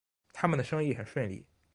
他们的生意很顺利